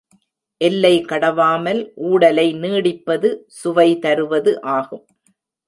எல்லை கடவாமல் ஊடலை நீட்டிப்பது சுவைதருவது ஆகும்.